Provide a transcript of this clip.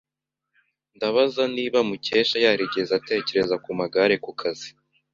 Ndabaza niba Mukesha yarigeze atekereza ku magare ku kazi.